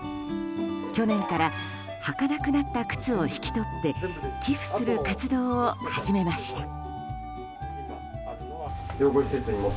去年から履かなくなった靴を引き取って寄付する活動を始めました。